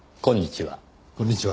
こんにちは。